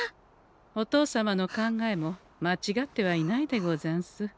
お父様の考えも間違ってはいないでござんす。